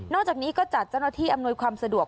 จากนี้ก็จัดเจ้าหน้าที่อำนวยความสะดวก